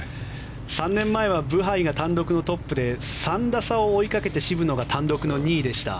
３年前はブハイが単独トップで３打差を追いかけて渋野が単独の２位でした。